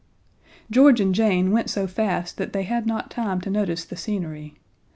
George and Jane went so fast that they had not time to notice the scenery.